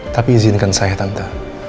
tapi izinkan saya tante